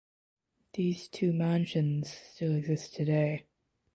These two mansions still exist today.